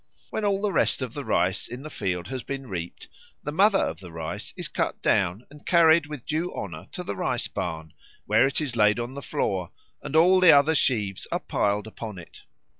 When all the rest of the rice in the field has been reaped, "the Mother of the Rice" is cut down and carried with due honour to the rice barn, where it is laid on the floor, and all the other sheaves are piled upon it.